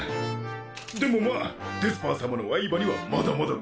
でもまあデスパー様の愛馬にはまだまだかなわん。